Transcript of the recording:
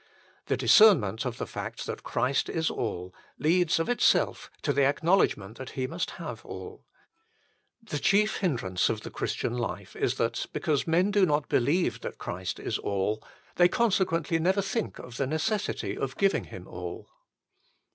The discernment of the fact that Christ is all leads of itself to the acknowledgment that He must have all. The chief hindrance of the Christian life is that, because men do not believe that Christ is all, they consequently never think of the necessity of giving Him all.